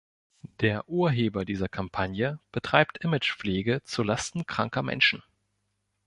Der Urheber dieser Kampagne betreibt Imagepflege zu Lasten kranker Menschen.